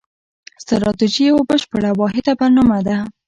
ستراتیژي یوه بشپړه واحده برنامه ده.